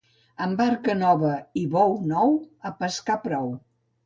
Amb barca nova i bou nou, a pescar prou.